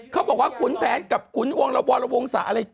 เขาบอกว่าขุนแผนกับขุนวงระวรวงศะอะไร